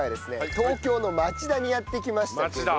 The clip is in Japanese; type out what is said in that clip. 東京の町田にやって来ましたけど。